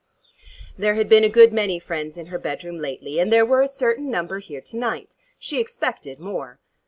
There had been a good many friends in her bedroom lately, and there were a certain number here to night. She expected more.